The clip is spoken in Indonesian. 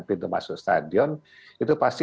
pintu masuk stadion itu pasti